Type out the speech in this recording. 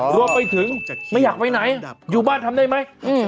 รวมไปถึงไม่อยากไปไหนอยู่บ้านทำได้ไหม